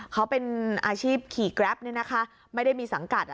เขาเป็นอาชีพขี่แกรปไม่ได้มีสังกัด